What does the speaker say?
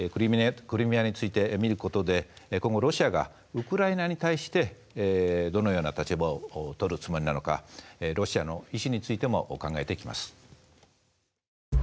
クリミアについて見る事で今後ロシアがウクライナに対してどのような立場を取るつもりなのかロシアの意志についても考えていきます。